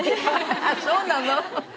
あっそうなの？